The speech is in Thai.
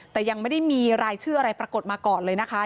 แต่ยังไม่ได้มีรายชื่ออะไรปรากฏมาก่อนเลยนะคะ